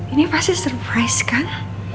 ini pasti surprise kang